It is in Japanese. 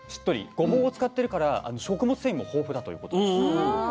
ごぼうを使ってるから食物繊維も豊富だということです。